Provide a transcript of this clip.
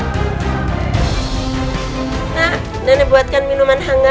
nak nene buatkan minuman hangat